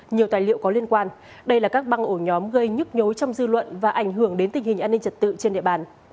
nhiều tài liệu có liên quan đây là các băng ổ nhóm gây nhức nhối trong dư luận và ảnh hưởng đến tình hình an ninh trật tự trên địa bàn